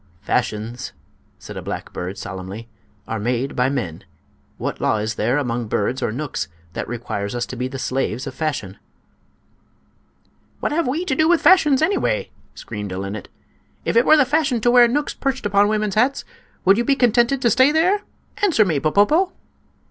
"Fashions," said a black bird, solemnly, "are made by men. What law is there, among birds or knooks, that requires us to be the slaves of fashion?" "What have we to do with fashions, anyway?" screamed a linnet. "If it were the fashion to wear knooks perched upon women's hats would you be contented to stay there? Answer me, Popopo!"